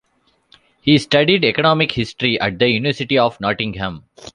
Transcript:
He studied Economic History at the University of Nottingham.